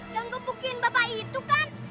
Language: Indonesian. yang gepukin bapak itu kan